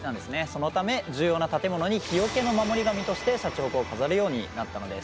そのため重要な建物に火除けの守り神としてシャチホコを飾るようになったのです。